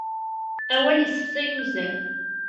Awal isefsay uzzal.